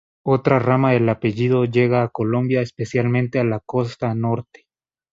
Otra rama del apellido llega a Colombia, especialmente a la costa norte.